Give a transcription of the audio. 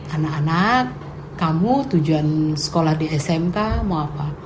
anak anak kamu tujuan sekolah di smk mau apa